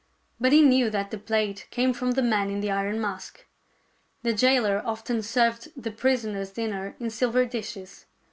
But he knew that the plate came from the man in the iron mask. The jailer often served the prisoner's dinner in silver dishes.